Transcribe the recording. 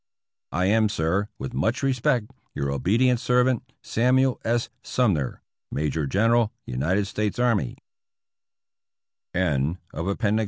I am, sir, with much respect, Your obedient servant, Samuel S. Sumner, Major General United State